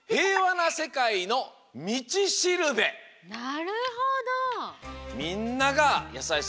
なるほど！